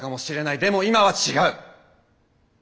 でも今は違う。